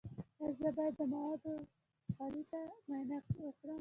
ایا زه باید د مواد غایطه معاینه وکړم؟